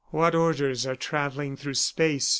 "What orders are travelling through space?"